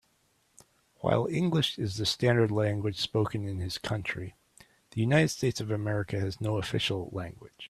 While English is the standard language spoken in his country, the United States of America has no official language.